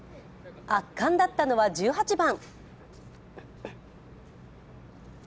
圧巻だったのは、１８番。